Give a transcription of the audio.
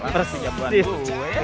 terus dijam buat gue